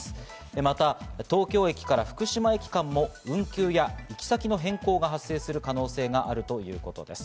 また、東京駅から福島駅間も運休や行き先の変更が発生する可能性があるということです。